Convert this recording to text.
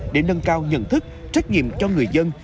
để nâng cao nhận thức trách nhiệm cho người dân